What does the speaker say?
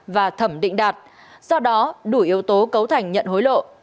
và thẩm định đạt do đó đủ yếu tố cấu thành nhận hối lộ